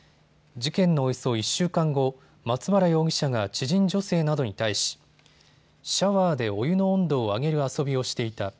事件のおよそ１週間後、松原容疑者が知人女性などに対しシャワーでお湯の温度を上げる遊びをしていた。